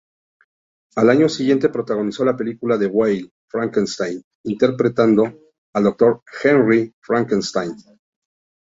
Al año siguiente protagonizó la película de Whale "Frankenstein", interpretando al Dr. Henry Frankenstein.